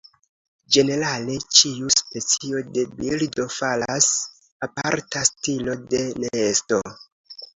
Ĝenerale, ĉiu specio de birdo faras aparta stilo de nesto.